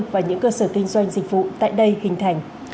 và những cơ sở kinh doanh dịch vụ tại đây hình thành